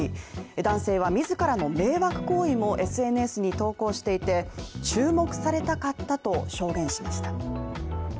男性は自らの迷惑行為もＳＮＳに投稿していて、注目されたかったと証言しました。